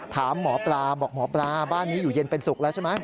ถามหมอปลาบอกหมอปลาบ้านนี้อยู่เย็นเป็นสุขแล้วใช่ไหม